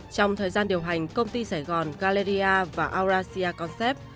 trong thời gian điều hành công ty sài gòn galleria và erosia concept